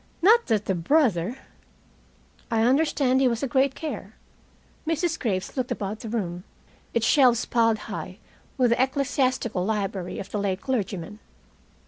Not that the brother " "I understand he was a great care." Mrs. Graves looked about the room, its shelves piled high with the ecclesiastical library of the late clergyman.